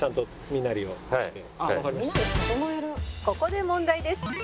「ここで問題です」